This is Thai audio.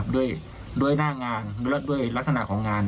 ด้วยหน้างานด้วยลักษณะของงาน